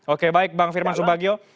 oke baik bang firman subagio